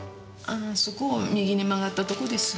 ああそこを右に曲ったとこです。